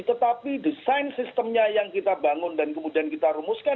tetapi desain sistemnya yang kita bangun dan kemudian kita rumuskan